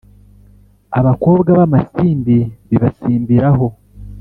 Abakobwa b'amasimbi bibasimbiraho